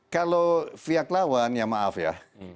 kalau pihak lawan ya maaf ya